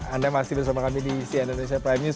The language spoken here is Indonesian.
anda masih bersama kami di si anadolisa prime news